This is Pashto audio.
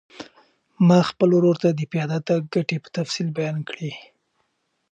ما خپل ورور ته د پیاده تګ ګټې په تفصیل بیان کړې.